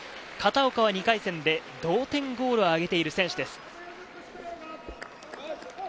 片岡は２回戦で同点ゴールを挙げている選手です。